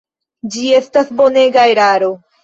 Ĝi estas bonega eraro.